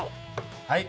はい。